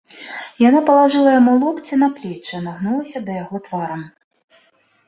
Яна палажыла яму локці на плечы, нагнулася да яго тварам.